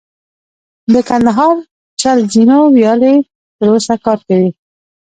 د کندهار چل زینو ویالې تر اوسه کار کوي